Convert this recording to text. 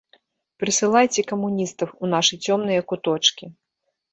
Прысылайце камуністаў у нашы цёмныя куточкі.